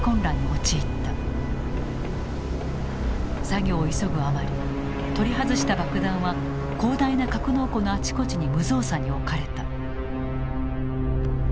作業を急ぐあまり取り外した爆弾は広大な格納庫のあちこちに無造作に置かれた。